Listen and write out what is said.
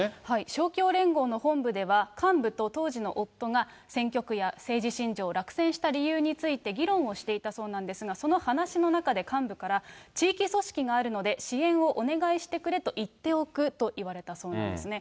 勝共連合の本部では、幹部と当時の夫が、選挙区や政治信条、落選した理由について議論をしていたそうなんですが、その話の中で幹部から、地域組織があるので、支援をお願いしてくれと言っておくと言われたそうなんですね。